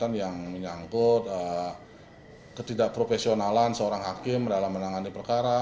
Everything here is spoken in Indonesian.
menurut kusno hakim kusno pernah mempunyai pengalaman seorang hakim dalam menangani perkara